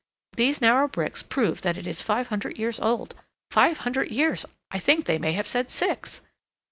These narrow bricks prove that it is five hundred years old—five hundred years, I think—they may have said six."